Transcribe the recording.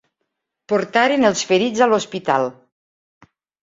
Portaren els ferits a l'hospital.